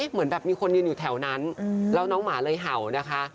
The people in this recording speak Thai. เหมือนแบบมีคนยืนอยู่แถวนั้นแล้วน้องหมาเลยเห่านะคะ